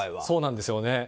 そうなんですよね。